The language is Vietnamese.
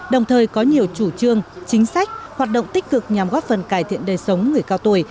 đồng thời có nhiều chủ trương chính sách hoạt động tích cực nhằm góp phần cải thiện đời sống người cao tuổi